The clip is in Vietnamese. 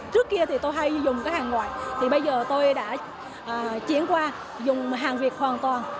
trước kia thì tôi hay dùng cái hàng ngoại thì bây giờ tôi đã chuyển qua dùng hàng việt hoàn toàn